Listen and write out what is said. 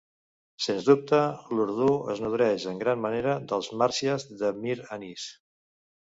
Sens dubte, l'urdú es nodreix en gran manera dels Marsias de Mir Anis.